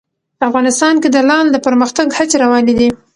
افغانستان کې د لعل د پرمختګ هڅې روانې دي.